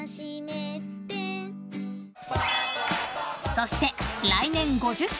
［そして来年５０周年。